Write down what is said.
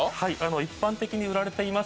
一般的に売られています